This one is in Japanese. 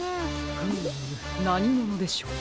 フームなにものでしょう。